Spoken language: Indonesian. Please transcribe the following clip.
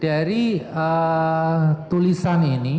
dari tulisan ini